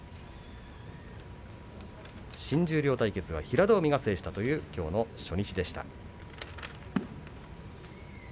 新十両対決は平戸海が制したというきょうの初日でした。